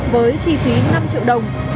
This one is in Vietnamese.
với chi phí năm triệu đồng